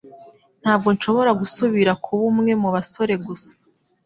Ntabwo nshobora gusubira kuba umwe mubasore gusa.